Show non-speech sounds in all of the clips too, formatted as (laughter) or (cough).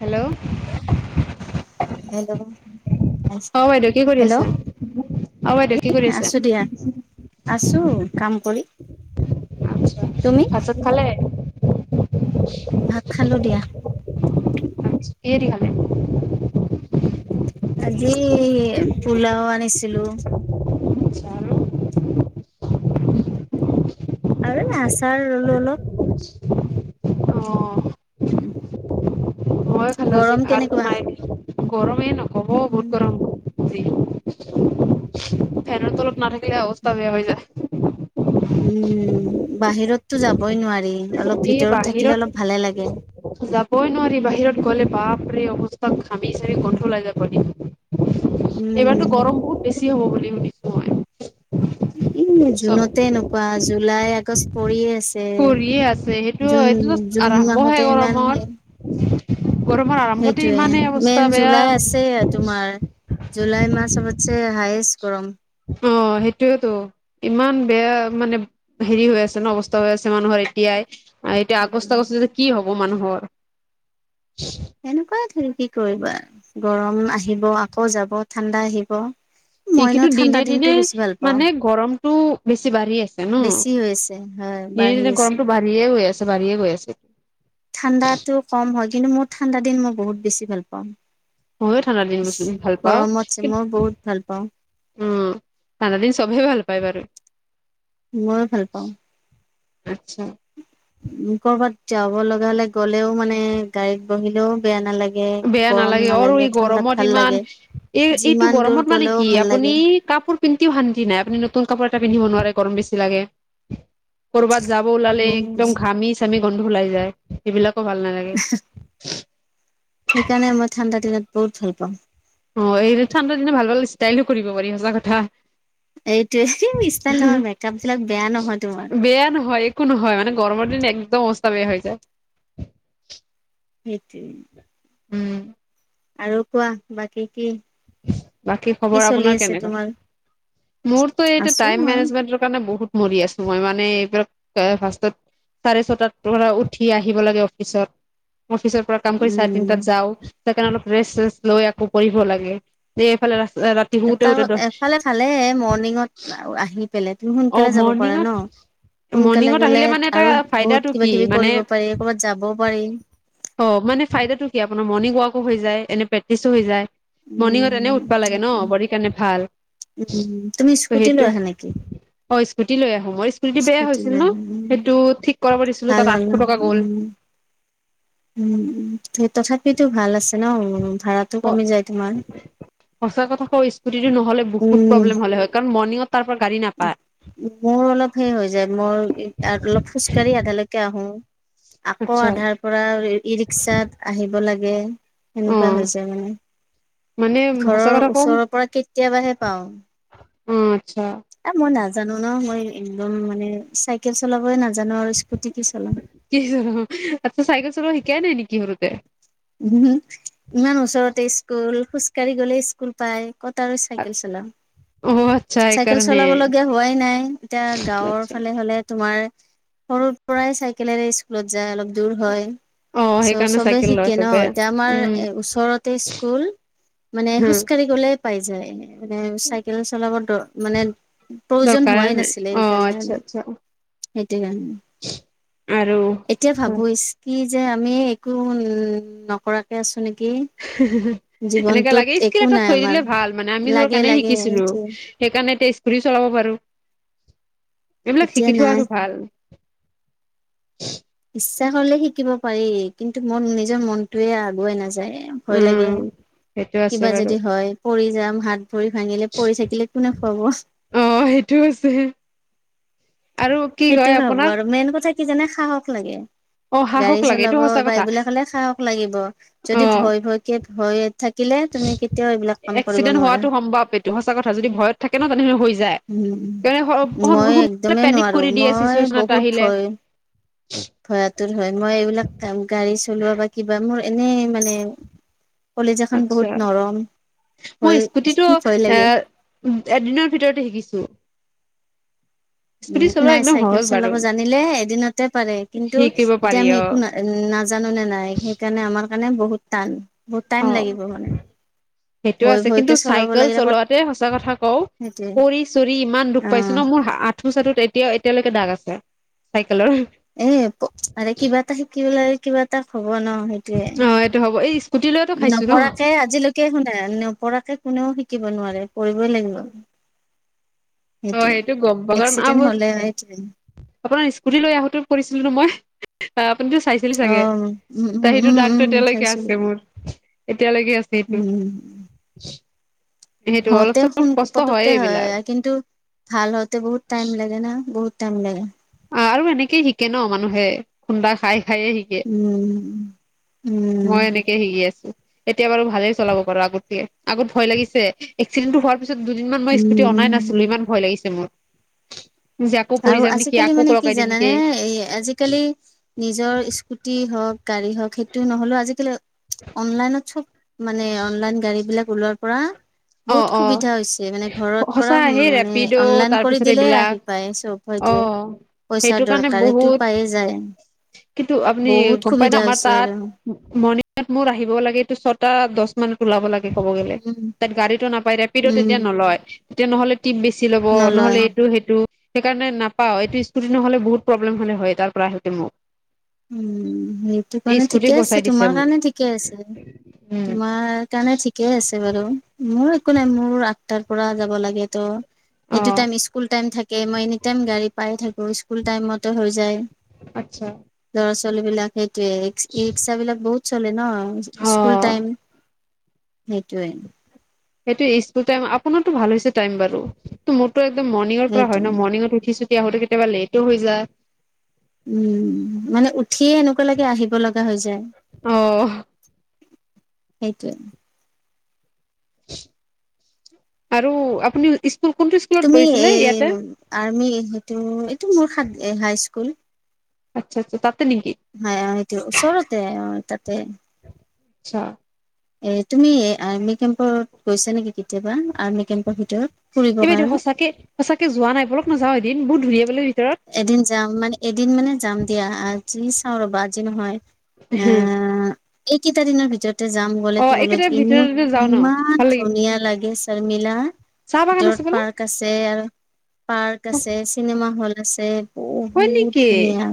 Hello hello অ বাইদেউ কি কৰি আছে? অ বাইদেউ এ কি কৰি আছে আছো দিয়া আছো কাম কৰি। তুমি ভাত চাত খালে? ভাত খালো দিয়া। কিহেদি খালে আজি পোলাও আনিছিলো। আৰু আচাৰ ললো অলপ। অ উম। মাই গৰমে নকব বহুত উম গৰম আজি। ফেনৰ তলত নাথাকিলে অৱস্থা বেয়া হৈ যায়। বাহিৰতটো যাবই নোৱাৰি, অলপ এই ভিতৰত থাকিলে অলপ ভালে লাগে। কই নঃহ বাহিৰত গ'লে বাপৰে অৱস্থাক ঘামিচামি গোন্ধ উলাই যাব এতিয়া। উম এইবাৰতো গৰম বহুত বেছি হ'ব বুলি শুনিছো মই। এ চব জুনতে এনেকোৱা জুলাই আগষ্ট পৰিয়ে কৰিয়ে সেইটো আছে। ছে এইটোতো জুন জুন আৰম্ভহে মাহতে ইমান গৰমৰ হে। গৰমৰ আৰম্ভতে সেইটোয়ে, ইমানেই অৱস্থা মেইন জুলাই বেয়া আছে তোমাৰ। জুলাই মাহ চবতছে হাইষ্ট গৰম। অ সেইটোয়েতো ইমান বেয়া মানে হেৰি হৈ আছে ন, অৱস্থা বেয়া হৈ আছে মানুহৰ এতিয়াই। আৰু এতিয়া সেইটো আগষ্ট আগষ্ট কি হব মানুহৰ। এনেকুৱাই ধৰি কি কৰিবা, গৰম আহিব আকৌ যাব ঠাণ্ডা আহিব। ই মই ন কিন্তু ঠাণ্ডা দিনে দিনটো দিনে বেছি ভাল পাওঁ মানে গৰমটো বেছি বাঢ়ি আছে ন? বেছি হৈ আছে হয় দিনে বাঢ়ি দিনে আছে গৰমটো বাঢ়িয়ে গৈ আছে বাঢ়িয়ে গৈ আছে। ঠাণ্ডাতো কম হয় কিন্তু মোৰ ঠাণ্ডা দিন মই বহুত বেছি ভাল পাওঁ। ময়ো ঠাণ্ডা দিন বহুত ভাল পাওঁ গৰমত যে কিন্তু মই বহুত ভাল পাওঁ উম ঠাণ্ডা দিন চবেই ভাল পায় বাৰু। ময়ো ভাল পাওঁ। আচ্ছা। কৰ'বাত যাব লগা হলে গ'লেও মানে গাড়ীত বহিলেও বেয়া নালাগে বেয়া গৰম নালাগে আৰু এই ঠাণ্ডাত গৰমত ভাল ইমান লাগে এই এইটো যিমান দূৰ গৰমত মানে গ'লেও কি ভাল আপু লাগে নি কাপোৰ পিন্ধিও শান্তি নাই, আপুনি নতুন কাপোৰ এটা পিন্ধিব নোৱা ৰে গৰম বেছি লাগে। কৰ'বাত যাব ওলালে বহুত বেছি একদম ঘামি চামি গোন্ধ ওলাই যায় এইবিলাকো ভাল নালাগে। সেইকাৰণে মই ঠাণ্ডা দিনত বহুত ভাল পাওঁ। ফুৰিব পাৰি সঁচা কথা। এইটোৱে ষ্টাইল নহয় মেকআপ বিলাক বেয়া নহয় তোমাৰ বেয়া নহয় একো নহয় মানে গৰমৰ দিন একদম অৱস্থা বেয়া হৈ যায়। সেইটোৱে। উম। আৰু কোৱা বাকি কি বাকি কি খবৰ চলি আপোনাৰ আছে কেনেকুৱা? তোমাৰ মোৰতো এইটো আছো টাইম মই মেনেজমেন্টৰ কাৰণে বহুত মৰি আছো। মই মানে এইবিলাক ফাৰ্ষ্টত চাৰে ছটাৰ পৰা উঠি আহিব লাগে অফিচত। অফিচৰ পৰা কাম কৰি চাৰে উম তিনিটাত যাওঁ, তাৰ কাৰণে অলপ ৰেষ্ট চেষ্ট লৈ আকৌ পঢ়িব লাগে। (unintelligible) শুতে শুতে এফালে খালে মৰ্ণিঙত আহি পেলাই। তুমি অ সোনকালে যাব পাৰা মৰ্ণিঙত ন? সোনকালে মৰ্ণিঙত গলে আহিলে মানে এটা আৰু ফাইদাটো বহুত কিবা কি কিবি মানে কৰিব পাৰি কৰ'বাত যাবও পাৰি। অ মানে ফাইডা টো কি আপোনাৰ মৰ্ণিং ৱাকো হৈ যায়, এনে প্ৰেক্টিচো হৈ যায়। মৰ্ণিঙত এনে উম উঠবা লাগে ন? সেইটোৱে। বডিৰ কাৰণে ভাল। উম তুমি ত স্কুটি লৈ সেইটো আহা নেকি? অ স্কুটি লৈ আহোঁ। মোৰ স্কুটিটো বেয়া স্কুটি হৈছিল লৈ ন আহা উম, সেইটো ঠিক কৰাব দিছিলো ভাল তাত হ'ল ন আঠশ টকা গ'ল। উম উম, তথাপিতো ভাল আছে ন, ভাড়াটো অ কমি যায় তোমাৰ? সঁচা কথা কওঁ স্কুটিটো নহ'লে বহুত উম প্ৰব্লেম হ'লে হয় কাৰণ মৰ্ণিঙত তাৰ পৰা গাড়ী নাপায় মোৰ অলপ সেই হৈ যায় মই অলপ খোজকাঢ়ি আধালৈকে আহো, আকৌ আচ্ছা আধাৰ পৰা ই ৰিক্সাত আহিব লাগে। অ এনেকুৱা হৈ যায় মানে। সঁচা ঘৰৰ কথা কম ওচৰৰ পৰা কেতিয়াবাহে পাওঁ। অ আচ্ছা। এ মই নাজানো ন মই একদম মানে চাইকেল চলাবই নাজানো। আৰু স্কুটি কি চলাম আচ্ছা চাইকেল চলাব শিকাই নাই নেকি সৰুতে? ওহো, ইমান ওচৰতে স্কুল খোজকাঢ়ি গ'লে স্কুল পায়। কত আৰু চাইকেল চলাম। অ আচ্ছা চাইকেল সেইকাৰণে চলাব লগীয়া হোৱাই নাই এতিয়া গাঁৱৰ আচ্ছা ফালে হলে তোমাৰ সৰুৰ পৰাই চাইকেলেৰে স্কুলত যায় অলপ দূৰ হয় অ চ' সেইকাৰণে চবে চাইকেল শিক লয় ন চবে এতিয়া আমাৰ উম এ ওচৰতে স্কুল মানে হম খোজকাঢ়ি গ'লে পাই যায়। মানে চাইকেল চলাবৰ দৰ মানে প্ৰয়োজন দৰকাৰে হোৱাই নাই নাছিলে অ সেইকাৰণে। (inaudible) তেতিয়া আৰু এতিয়া ভাবো ইছ কি যে আমি একো উ উম নকৰাকে আছো নে (unintelligible) এনেকে লাগে স্কিল একো এটা নাই থৈ আমাৰ দিলে ভাল মানে আমি ধৰক লাগে এনেই লাগে শিকিছিলো সেইটোৱে সেইকাৰণে ৰি চলাব পাৰো এইবিলাক এতিয়া শিকি থোৱা নাই টো ভাল৷ ইচ্ছা কৰিলে শিকিব পাৰি কিন্তু মন নিজৰ মনতয়ে আগুৱাই নাযায় ভয় লাগে উম সেইটো আছে কিবা বাৰু যদি হয় পৰি যাম হাত ভৰি ভাঙিলে পৰি থাকিলে কোনে খুৱাব৷ অ সেইটো আছে আৰু কি সেইটো কয় ভাবো আপোনাক আৰু মেইন কথা কি জানে সাহস লাগে৷ অ সাহস গাড়ী লাগে এইটো চলাব সঁচা বা কথা এইবিলাক কলে সাহস লাগিব অ যদি ভয় ভয়কে ভয় থাকে থাকিলে তুমি কেতিয়াও এইবিলাক কাম কৰিব এক্সিডেণ্ট নোৱাৰা৷ হোৱাটো সম্ভৱ এইটো সঁচা কথা যদি ভয়ত থাকে ন তেনেহলে হৈ যায় উম৷ মই একদমেই পেনিক নোৱাৰো কৰি দিয়ে মই চিচুৱেচন এটা বহুত আহিলে ভয়-ভয় ত হয় মই এইবিলাক কাম গাড়ী চলোৱা বা কিবা মোৰ এনে মানে কলেজ এখন বহুত আচ্ছা নৰম মই স্কুটিটো ভয়-ভয় এ লাগে৷ এদিনৰ ভিতৰতে শিকিছো৷ স্কুটি উম চলোৱা নাই একদম চাইকেল সহজ বাৰু চলাব জানিলে এদিনতে পাৰে কিন্তু শিকিব এতিয়া পাৰি আমি অ একো না-না নাজানো নে নাই সেইকাৰণে আমাৰ কাৰণে বহুত টান বহুত টাইম লাগিব মানে৷ সেইটোয়ে ভয় আছে কিন্তু ভয়কে চলাব চাইকেল লাগিলে ক'ত চলোৱাতে সঁচা কথা কও সেইটোৱে কৰি চৰি ইমান দুখ অ পাইছো ন মোৰ আঁঠু চাঠুত এতিয়া-এতিয়া লৈকে দাগ আছে চাইকে এ আৰে কিবা এটা শিকিবলৈ কিবা এটা হব ন অ এইটো হ'ব এই স্কুটি লৈতো সেইটোৱে৷ খাইছো ন নপৰাকে আজিলৈকে শুনা নপৰাকে কোনেও শিকিব নোৱাৰে৷ পৰিবই লাগিব৷ অ সেইটোয়ে সেইটো গম পালোঁ আ এক্সিডেণ্ট হ'লে সেইটোৱে আপোনাৰ স্কুটি লৈ আহোতে পৰিছিলো ন মই৷ আপুনিতো চাইছিলি অ চাগে উম ত উম সেইটো উম দাগতো উম এতিয়ালৈকে চাইছো আছে মোৰ৷ এতিয়ালৈকে আছে সেইটো৷ সেইটো অলপ হতে চলপ সোন কষ্ট পটককে হয় এইবিলাক কিন্ কিন্তু ভাল হওঁতে বহুত টাইম লাগে ন বহুত টাইম লাগে৷ অ আৰু এনেকে শিকে ন মানুহে খুন্দা খাই খায়ে শিকে উম উম মই এনেকে শিকি আছো৷ এতিয়া বাৰু ভালেই চলাব পাৰো আগত আগত ভয় লাগিছে এক্সিডেণ্টটো হোৱাৰ তাৰপিছত দুদিনমান মই উম স্কুটি অনাই নাছিলো উম ইমান লাগিছে মোৰ৷ যে আকৌ পৰি আৰু যাম নেকি আজিকালি আকৌ মানে কি লগাই দিম জানানে নেকি এই আজিকালি নিজৰ স্কুটি হওক গাড়ি হ‌ওক সে টো নহলেও আজিকালি অনলাইনত চব মানে অনলাইন গাড়ী বিলাক ওলোৱাৰ পৰা অ বহুত অ সুবিধা হৈছে মানে ঘৰত পৰা সঁচা সেই মানে ৰেপিড' অনলাইন কৰি তাৰপিছত দিলে এইবিলাক আহি পাই অ হয়তো সেইটো পইচাৰ কাৰণে দৰকাৰ সেইটো বহুত পায়ে যায় কিন্তু আপুনি বহুত গম পায় ন সুবিধা আমাৰ হৈছে তাত আৰু মৰ্ণিঙত মোৰ আহিব লাগে এইটো ছটা দহ মানত লাগে ক'ব গ'লে উম তাত গাড়ীটো নাপায় ৰেপিডো উম তেতিয়া নলয় তেতিয়া নহ'লে টিপ বেছি ল'ব নহ'লে নলয় এইটো সেইটো।। সেইকাৰণে নাপাওঁ এইটো স্কুটি নহ'লে বহুত প্ৰব্লেম হ'লে হয় তাৰ পৰা আহোঁতে মোৰ উম সেইটো কাৰণে স্কুটি ঠিকে আছে বচাই দিছে তোমাৰ মোক কাৰণে ঠিকে আছে উম তোমাৰ কাৰণে ঠিকেই আছে বাৰু মোৰ একো নাই মোৰ আঠটাৰ পৰা যাব লাগে তো অ সেইটো টাইম স্কুল টাইম থাকে মই এনি টাইম গাড়ী পাই থাকো স্কুল টাইমতে হৈ যায়। আচ্ছা। ল'ৰা ছোৱালী বিলাক সেইটয়ে ই ৰিক্সা বিলাক বহুত চলে ন অ স্কুল টাইম সেইটোৱে সেইটো স্কুল টাইম আপোনাৰটো ভাল হৈছে টাইম বাৰু ম। একদম মৰ্ণিঙৰ পৰা হয় সেইটোয়ে ন মৰ্ণিঙত উঠিছুঠি আহোতে কেতিয়াবা লেটো হৈ যায়। উম, মানে উঠিয়ে এনেকুৱা লাগে আহিব লগা হৈ যায়। অঁহ্‌। সেইটোৱে আৰু আপুনিও স্ক তুমি এ আৰ্মি সেইটো, এইটো মোৰ হাদ্‌ হাই স্কুল। আচ্ছা, আচ্ছা তাত হ'য়, হ'য় এইটো ওচৰতে, অঁ তাতে। আচ্ছা- এ তুমি আৰ্মি কেম পত গৈছা নেকি কেতিয়াবা? আৰ্মি কেম্পৰ ভিতৰত ফুৰিব কাৰণে। বল যাওঁ এদিন। বহুত ধুনীয়া বোলে ৰি এদিন যাম মানে, এদিন মানে যাম দিয়া। আজি চাওঁ ৰ'বা, আজি নহয় এহ্‌হেঁ। আহ এইকেইটা দিনৰ ভিতৰতে যাম গ'লে। তেওঁক লৈ একেটা ইমা- ভিতৰতে যাওঁ ন ইমান ভাল লাগিব ধুনীয়া লাগে চা তই মিলা। চাহ বাগান ভিতৰত আছে বোলে পাৰ্ক আছে আৰু পাৰ্ক আছে, চিনেমা হল্ড আছে হয় বহুত নেকি ধুনীয়া।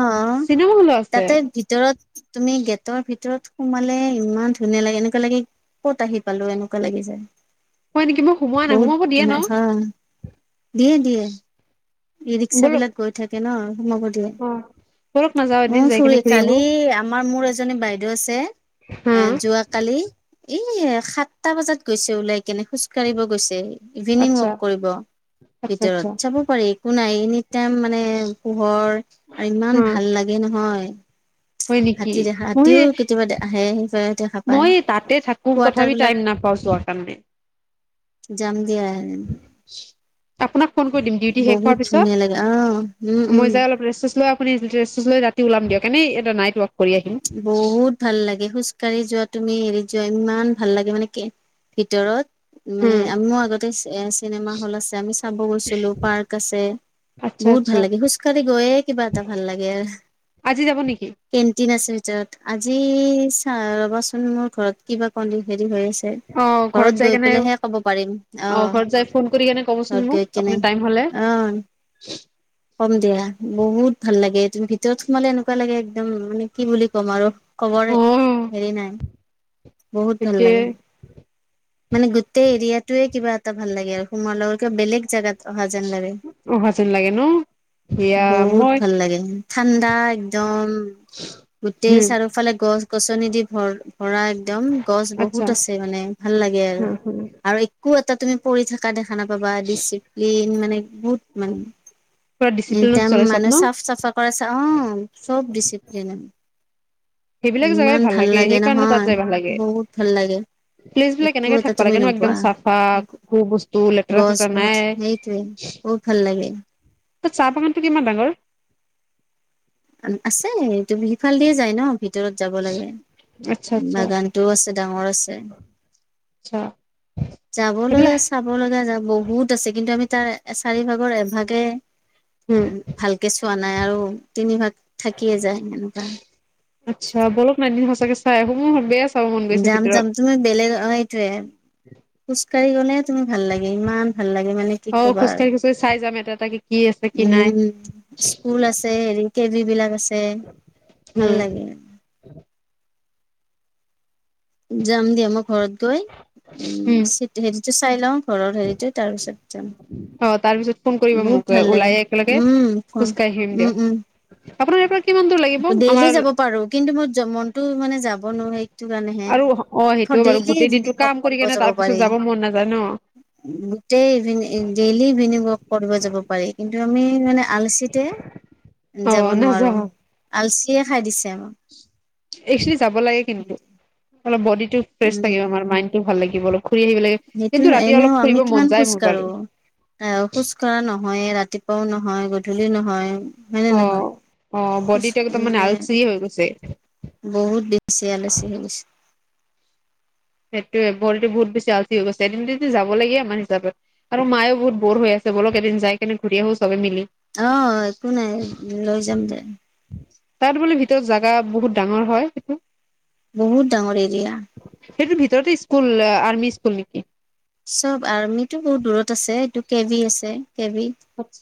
অঁ চিনেমা হলো আছে তাতে ভিতৰত, তুমি গেটৰ ভিতৰত সোমালে ইমান ধুনীয়া লাগে। এনেকুৱা লাগে ক'ত আহি পালো? এনেকুৱা লাগি যায়। হয় নেকি মই সোমোৱা নাই বহুত সোমাব দিয়ে ন সোমাই চা দিয়ে দিয়ে। ই ৰিক্সা বলক বিলাক গৈ থাকে ন'। সোমাব দিয়ে? অ বলক না যাওঁ এদিন অঁ যাই কেনে ঘূৰি আহো ফুৰি--কালি আমাৰ, মোৰ এজ্‌ জনী বাইদেউ আছে। হা এ যোৱা -কালি এইই সাতটা বজাত গৈছে ওলাই। কেনে খোজ কাঢ়িব গৈছে। ইভিনিং আচ্ছা ৱাক কৰিব আচ্ছা ভিতৰত আচ্ছা চাব পাৰি। নাই, এনিটাইম মানে পোহৰ আৰু ইমান হা ভাল লাগে নহয়। হয় নেকি? হাতী দেখা মই, হাতীও কেতিয়াবা আহে সেইফালে দেখা পায় মই তাতে থাকো কোৱাটাৰ তথাপি বিলাক টাইম নাপাওঁ। বচোৱা- কাম দে। জাম গে আই। আপোনাক ফোন কৰি দিম ডিউটি শেষ হোৱাৰ পিছত। ধুনীয়া লাগে অ উম মই উম যাই অলপ ৰেষ্ট-চেচ্‌ লৈ শুনি আছিল। ড্ৰেছ্‌-চেছ্‌ লৈ ৰাতি ওলাম গে। কেনেই এটা নাইট ৱৰ্ক। বহুত ভাল লাগে। খোজকাঢ়ি যোৱা তুমি, হেৰিত যোৱা ইমান ইমান ভাল লাগে মানে কি? ভিতৰত মানে, উম। আম' আগতে চিএ--চিনেমা হল আছে। আমি চাব গৈছিলোঁ। পাৰ্ক আছে। আচ্ছা বহুত আচ্ছা ভাল লাগে। খোজকাঢ়ি গৈয়ে কিবা এটা ভাল লাগে। সি যাব নেকি? দিন আছে যত্‌, আজি চা ৰ'বাচোন, মোৰ ঘৰত কিবা পানী, হেৰি হৈ আছে। অঁ, ঘৰত যাই গৈ কেনে পেলাইহে ক'ব পাৰিম অ অঁ ঘৰত যাই ফোন কৰি কেনে ক'বচোন ঘৰত গৈ মোক, কেনে আপোনাৰ টাইম হ'লে। (inaudible) অ কম দিয়া, বহুত ভাল লাগে তুমি ভিতৰত সোমালে এনেকুৱা লাগে, একদম মানে কি বুলি ক'ম আৰু কবৰ, অ হেৰি নাই বহুত ভাল তাকে লাগে। মানে গোটেই এৰিয়াটোয়ে কিবা এটা ভাল লাগে আৰু। সোমোৱাৰ লগে কিবা বেলেগ জাগাত অহা যেন লাগে অহা যেন লাগে ন সেয়া মই বহুত ভাল লাগে। ঠাণ্ডা, একদম- গোটেই হুম। চাৰিওফালে গছ -গছনি দি ভৰ ভৰা। একদম, গছ বহুত আচ্ছা। আছে মানে ভাল লাগে আৰু, হুম হুম। আৰু একো এটা তুমি পৰি থাকা দেখা নাপাবা ডিচিপ্লিন মানে- বহুত মানে, পুৰা ডিচিপ্লিনত এতিয়া চলে চব মানে ন চাফ -চাফা কৰাইছে অঁ চব ডিচিপিলিন ডিচিপ্লিইন আহ্ সেইবিলাক জেগাই ইমান ভাল লাগে সেইকাৰণে তাত নহয়, যাই ভাল লাগে। বহুত ভাল লাগে। প্লেচ বিলাক একো এনেকে এটা থাকবা তুমি লাগে ন নোপোৱা একদম চাফা একো বস্তু লেতেৰা গছ চেতেৰা বহুত নাই। সেইটোৱে, বহুত ভাল লাগে। তাত চাহ বাগানটো কিমান ডাঙৰ? আছে তুমি সিফাল দিয়ে যায় ন ভিতৰত যাব লাগে আচ্ছা আচ্ছা বাগানটোও আছে ডাঙৰ আছে আচ্ছা যাব সেইবিলাক লগা চাব লগা যাব বহুত আছে কিন্তু আমি তাৰ চাৰিভাগৰ এভাগে উম, উ ভালকে চোৱা নাই আৰু তিনি ভাগ থাকিয়ে যায় এনেকুৱা আচ্ছা বলক এদিন সঁচাকে চাই আহো চাব মন গৈছে যাম ভিতৰত। যাম তুমি বেলেগ এইটোৱেই খোজকাাঢ়ি গলেহে তুমি ভাল লাগে ইমান ভাল লাগে মানে কি অ', কবা আৰু খোজকাঢ়ি খোজকাঢ়ি চাই যাম এটা এটাকে কি আছে কি নাই। উম স্কুল আছে হেৰিতে বিলাক আছে ভাল উম, লাগে আৰু যাম দিয়া মই ঘৰত গৈ উম, উ হেৰিতো চাই লওঁ ঘৰৰ হেৰিতে তাৰপিছত যাম অ', তাৰ পিছত ফোন কৰিবা মোক বহুত ভাল ওলাই লাগে একেলগে উম ফোৱা খোজকাঢ়ি আহিম দিয়ক, উম উম আপোনাৰ ইয়াৰ পৰা কিমান দূৰ লাগিব ডেইলি আমাৰ যাব পাৰো কিন্তু মই (unintelligible) যাব নোৱাৰ এইটো কাৰণেহে আৰু অ', সেইটোও বাৰু ডেইলি গোটেই দিনটো ইভিনিং ৱাক কাম কৰি কৰিব কেনে যাব তাৰ পিছত পাৰি মন নাযায় ন'। গোটেই ইভিনং ডেইলি ইভিনিং ৱাক কৰিব যাব পাৰি কিন্তু আমি মানে আলচিজে (unintelligible) যাব অ', নোৱাৰো নাযাওঁ আলচিয়ে খাই দিছে আমাক একেল যাব লাগে কিন্তু অলপ বডিটো ফ্ৰেছ থাকিব উম আমাৰ মাইণ্ডটো ভাল লাগিব অলপ ঘূৰি আহিব লাগে। সেইটো কিন্তু ৰাতি এনেও অলপ আমি ফুৰিব মন কিমান যায় খোজ মোৰ বাৰু কঢ়ো আহ খোজ কঢ়া নহয় ৰাতিপুৱাও নহয় গধূলি নহয় হয়নে নহয় উম উম খোজ বডিটো একদমে মানে আলচি হৈ গৈছে বহুত দিখছে আলিছি হৈ গৈছে সেইটোয়ে ভৰিটো বহুত বেছি আলচী হৈ গৈছে এদিন দুদিন যাব লাগে আমাৰ হিচাপত আৰু মায়েও বহুত বৰ হৈ আছে বলক এদিন যাই কেনি ঘূৰি আহো চবে মিলি আহ একো নাই লৈ যাম দে তাত বোলে ভিতৰত জাগা বহুত ডাঙৰ হয় সেইটো বহুত ডাঙৰ এৰিয়া সেইটোৰ ভিতৰতে স্কুল আৰ্মি স্কুল নেকি চব আৰ্মিতটো বহুত দূৰত আছে এইটো কে ভ আছে কেবি আচ্ছা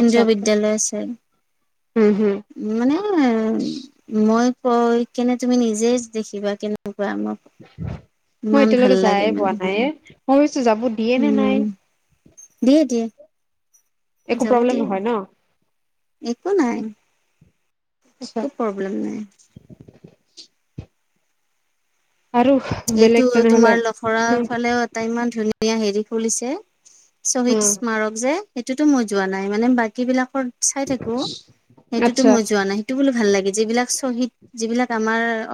আচ্ছা বিদ্যালয় উম হম আছে মানে মই গয় কেনে তুমি নিজে দেখিবা কেনে মাক মই ইমান এতিয়ালৈকে ভাল যায়ে লাগে পোৱা মানে নাই এ মই ভাবিছো যাব দিয়ে নে নাই উম দিয় দিয়ে একো যাব প্ৰব্লেম দিয়া নহয় ন একো নাই আচ্ছা একো প্ৰব্লেম নাই আৰু এইটো বেলেগ তেনেহলে তোমাৰ লখৰা ফালেও এটা ইমান ধুনীয়া হেৰি খুলিছে শ্বহীদ উম স্মাৰক যে সেইটোতো মই যোৱা নাই মানে বাকী বিলাকৰ চাই থাকো সেইটোতো আচ্ছা মই যোৱা নাই সেইটো বোলো ভাল লাগে য বিলাক চহী যিবিলাক আমাৰ